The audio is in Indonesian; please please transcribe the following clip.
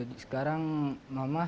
oh tapi sekarang tinggal sama siapa